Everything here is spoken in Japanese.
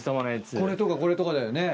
これとかこれとかだよね。